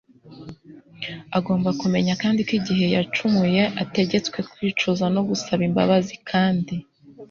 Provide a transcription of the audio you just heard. agomba kumenya kandi ko igihe yacumuye, ategetswe kwicuza no gusaba imbabazi, kandi